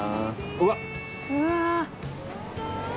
うわ。